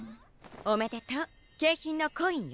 おめでとう景品のコインよ。